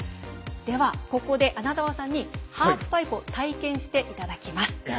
では、ここで穴澤さんにハーフパイプを体験していただきます。